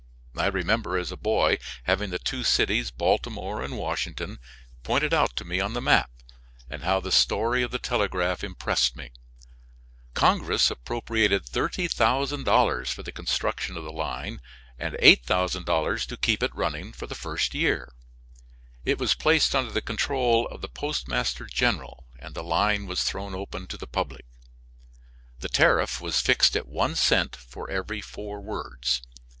I remember as a boy having the two cities, Baltimore and Washington, pointed out to me on the map, and how the story of the telegraph impressed me. Congress appropriated $30,000 for the construction of the line, and $8000 to keep it running the first year. It was placed under the control of the postmaster general, and the line was thrown open to the public. The tariff was fixed at one cent for every four words.